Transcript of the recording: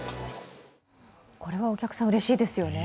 これはお客さん、うれしいですよね。